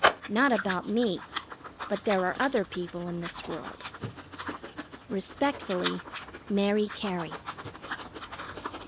Not about me, but there are other people in this world. Respectfully, MARY CARY.